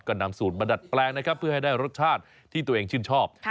ก็นำสูตรมาดัดแปลงนะครับเพื่อให้ได้รสชาติที่ตัวเองชื่นชอบ